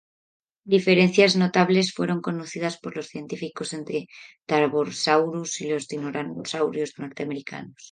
Diferencias notables fueron conocidas por los científicos entre "Tarbosaurus" y los tiranosáuridos norteamericanos.